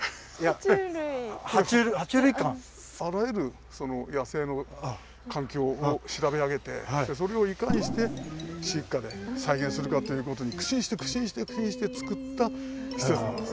あらゆる野生の環境を調べ上げてそれをいかにして飼育下で再現するかということに苦心して苦心して苦心して作った施設なんです。